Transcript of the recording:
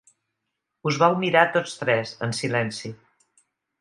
Us vau mirar tots tres, en silenci.